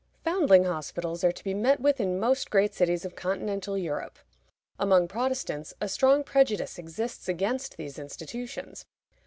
Foundling hospitals are to be met with in most great cities of Continental Europe. Among Protestants, a strong prejudice exists against these institutions.